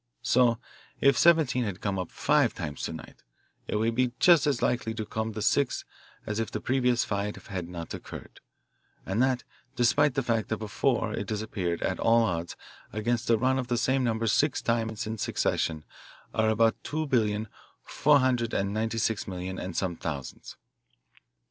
So if '17' had come up five times to night, it would be just as likely to come the sixth as if the previous five had not occurred, and that despite the fact that before it has appeared at all odds against a run of the same number six times in succession are about two billion, four hundred and ninety six million, and some thousands.